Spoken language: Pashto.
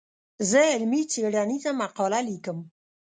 زه علمي څېړنيزه مقاله ليکم.